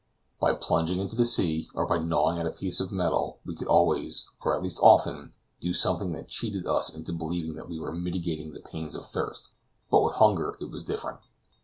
By plunging into the sea, or by gnawing at a piece of metal, we could always, or at least often, do something that cheated us into believing that we were mitigating the pains of thirst; but with hunger it was different.